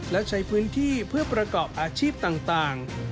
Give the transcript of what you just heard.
และใช้พื้นที่เพื่อประกอบอาชีพต่าง